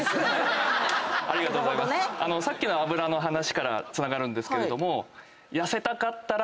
さっきの脂の話からつながるんですけれども。